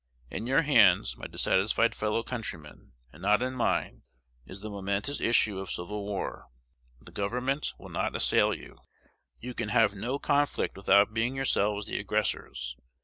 In your hands, my dissatisfied fellow countrymen, and not in mine, is the momentous issue of civil war. The Government will not assail you. You can have no conflict without being yourselves the aggressors.